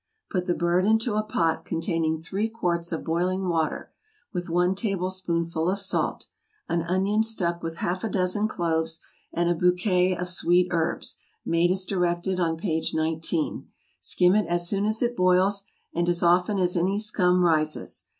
Put the bird into a pot containing three quarts of boiling water, with one tablespoonful of salt, an onion stuck with half a dozen cloves, and a bouquet of sweet herbs, made as directed on page 19; skim it as soon as it boils, and as often as any scum rises.